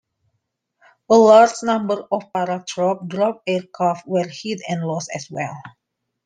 A large number of paratroop drop aircraft were hit and lost as well.